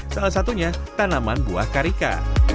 salah satunya tanaman buah karika